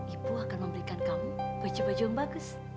ibu akan memberikan kamu baju baju yang bagus